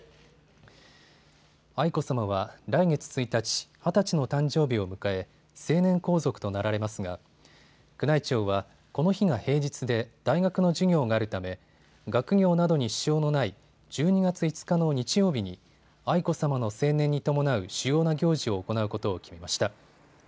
愛子さまは来月１日、二十歳の誕生日を迎え成年皇族となられますが宮内庁はこの日が平日で、大学の授業があるため学業などに支障のない１２月５日の日曜日に愛子さまの成年に伴う主要な行事を行うことを決めました。